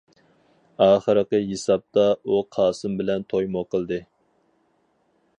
ئاخىرقى ھېسابتا ئۇ قاسىم بىلەن تويمۇ قىلدى.